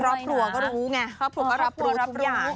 ครอบครัวก็รู้ไงครอบครัวก็รับรู้ทุกอย่าง